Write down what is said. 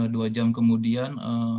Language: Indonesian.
dua jam kemudian